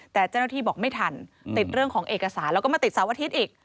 แต่เจ้าหน้าที่บอกไม่ทันติดเรื่องของเอกสารแล้วก็มาติดเสาร์อาทิตย์อีก